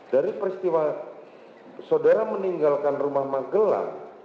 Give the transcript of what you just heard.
dari peristiwa saudara meninggalkan rumah magelang